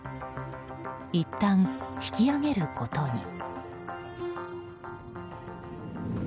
いったん引き揚げることに。